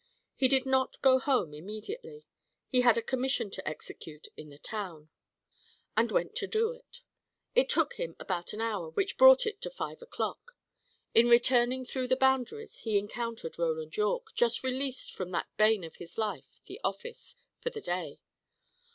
He did not go home immediately. He had a commission to execute in the town, and went to do it. It took him about an hour, which brought it to five o'clock. In returning through the Boundaries he encountered Roland Yorke, just released from that bane of his life, the office, for the day.